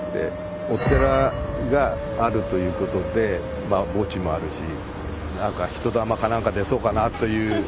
お寺があるということでまあ墓地もあるし何か人だまか何か出そうかなという。